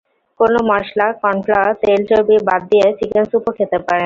কোনো মসলা, কর্নফ্লাওয়ার, তেল, চর্বি বাদ দিয়ে চিকেন স্যুপও খেতে পারেন।